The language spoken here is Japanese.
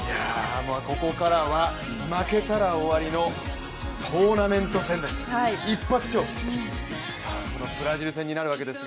ここからは負けたら終わりのトーナメント戦です。